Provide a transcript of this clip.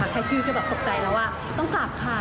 แค่ชื่อก็แบบตกใจแล้วว่าต้องกลับค่ะ